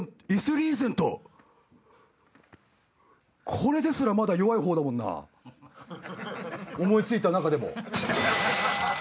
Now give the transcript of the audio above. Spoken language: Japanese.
これですらまだ弱いほうだもんな思い付いた中でも。